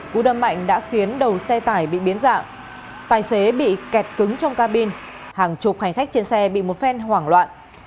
cú đâm mạnh đã khiến đầu xe tải bị biến dạng tài xế bị kẹt cứng trong cabin hàng chục hành khách trên xe bị một phen hoảng loạn